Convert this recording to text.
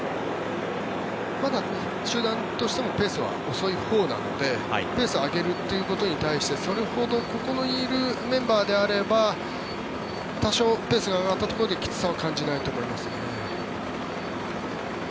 まだ集団としてもペースは遅いほうなのでペースを上げるということに対してそれほどここにいるメンバーであれば多少ペースが上がったところできつさは感じないと思いますね。